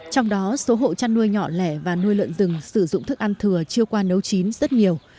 trong đó số hộ chăn nuôi nhỏ lẻ và nuôi lợn rừng sử dụng thức ăn thừa chiêu qua nấu chín rất nhiều